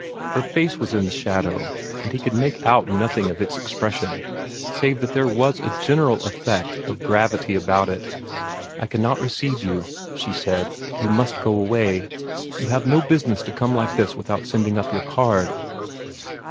Her face was in the shadow, and he could make out nothing of its expression, save that there was a general effect of gravity about it. "I cannot receive you," she said. "You must go away. You have no business to come like this without sending up your card."